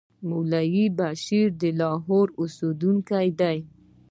مولوي بشیر د لاهور اوسېدونکی دی.